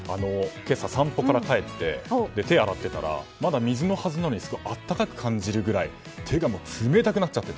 今朝、散歩から帰って手を洗っていたらまだ水のはずなのに温かく感じるくらい手が冷たくなっちゃってて。